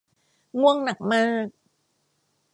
ง่วงหนักมาก